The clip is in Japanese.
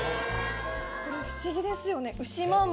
これ不思議ですよね。